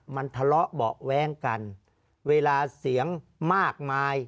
มันทะเลาะเบาะแว้งกันเวลาเสียงมากมาย